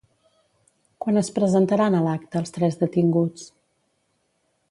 Quan es presentaran a l'acte, els tres detinguts?